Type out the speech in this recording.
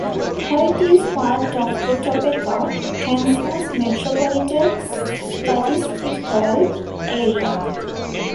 Hoyt is part of the Topeka, Kansas Metropolitan Statistical Area.